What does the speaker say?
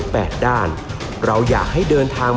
แปดด้านเราอยากให้เดินทาง